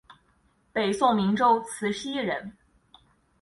北宋明州慈溪人。